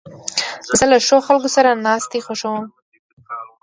زه له ښو خلکو سره ناستې خوښوم.